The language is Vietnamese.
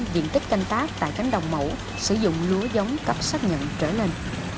một trăm linh diện tích canh tác tại cánh đồng mẫu sử dụng lúa giống cập xác nhận trở lên